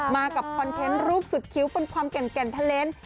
มากับคอนเทนต์รูปสุดคิ้วบนความแก่นทะเลนส์